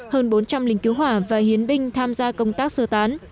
hơn bốn trăm linh linh cứu hỏa và hiến binh tham gia